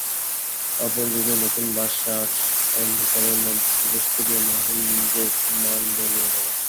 অপরিচিত নূতন বাসার অন্ধকারের মধ্যে প্রবেশ করিয়া মহেন্দ্রের মন দমিয়া গেল।